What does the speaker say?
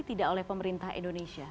tidak oleh pemerintah indonesia